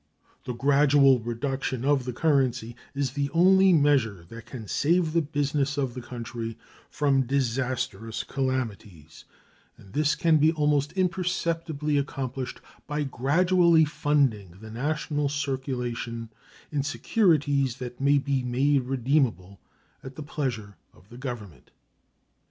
The gradual reduction of the currency is the only measure that can save the business of the country from disastrous calamities, and this can be almost imperceptibly accomplished by gradually funding the national circulation in securities that may be made redeemable at the pleasure of the Government.